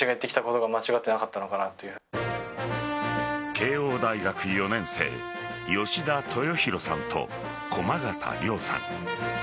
慶応大学４年生吉田豊博さんと駒形凌さん。